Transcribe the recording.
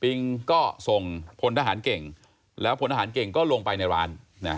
ก็ส่งพลทหารเก่งแล้วพลทหารเก่งก็ลงไปในร้าน